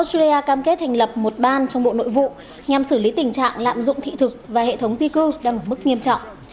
australia tuyên bố sẽ hành lập một ban trong bộ nội vụ nhằm xử lý tình trạng lạm dụng thị thực và hệ thống di cư đang ở mức nghiêm trọng